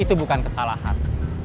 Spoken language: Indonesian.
itu bukan kesalahan